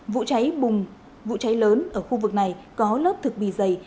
vụ cháy vụ cháy lớn ở khu vực này có lớp thực bì dày